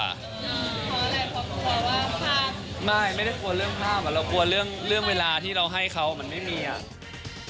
ขออะไรขอขอว่าภาพไม่ไม่ได้กลัวเรื่องภาพอะเรากลัวเรื่องเรื่องเวลาที่เราให้เขาเหมือนไม่มีอะ